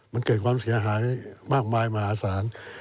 มันเกิดความเสียหายมากมายมหาศาล